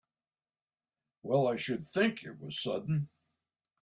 Well I should think it was sudden!